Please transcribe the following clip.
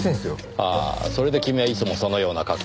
ああそれで君はいつもそのような格好を？